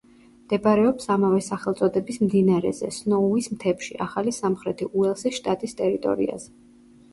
მდებარეობს ამავე სახელწოდების მდინარეზე, სნოუის მთებში, ახალი სამხრეთი უელსის შტატის ტერიტორიაზე.